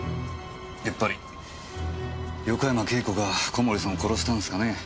やっぱり横山慶子が小森さんを殺したんですかね。